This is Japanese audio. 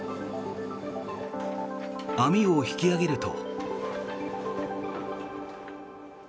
網を引き揚げると。